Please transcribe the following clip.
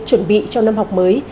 chuẩn bị cho năm học mới